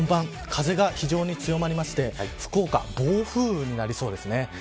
風が非常に強まりまして福岡、暴風になりそうです。